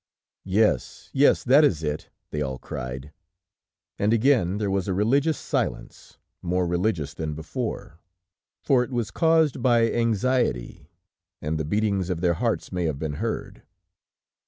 "Yes, yes, that is it," they all cried. And again there was a religious silence, more religious than before, for it wras caused by anxiety, and the beatings of their hearts may have been heard.